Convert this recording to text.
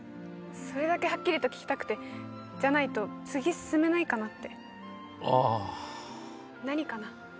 それだけハッキリと聞きたくてじゃないと次進めないかなってああ何かな？